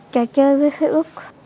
trò chơi với khí ức